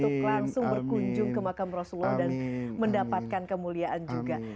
dan mendapatkan kemuliaan juga